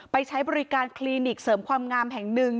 ใช้บริการคลินิกเสริมความงามแห่งหนึ่ง